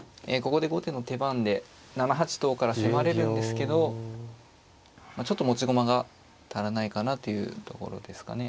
ここで後手の手番で７八とから迫れるんですけどちょっと持ち駒が足らないかなというところですかね。